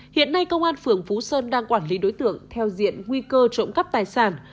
hiện nay công an phường phú sơn đang quản lý đối tượng theo diện nguy cơ trộm cắp tài sản